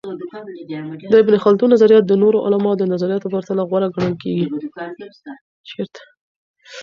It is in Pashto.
د ابن خلدون نظریات د نورو علماؤ د نظریاتو په پرتله غوره ګڼل کيږي.